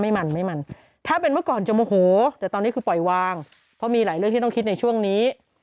ไม่มันไม่มันถ้าเป็นเมื่อก่อนจะโมโหแต่ตอนนี้คือปล่อยวางเพราะมีหลายเรื่องที่ต้องคิดในช่วงนี้